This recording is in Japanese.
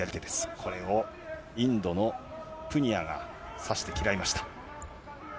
これをインドのプニアが差し手嫌いました。